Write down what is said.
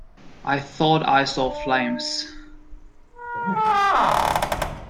I thought I saw flames.